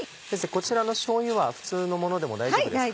こちらのしょうゆは普通のものでも大丈夫ですか？